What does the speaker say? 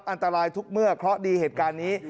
อันตรายทุกเมื่อเคราะห์ดีเหตุการณ์นี้